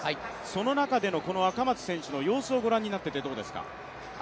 その中での赤松選手の様子をご覧になっていてどうですか？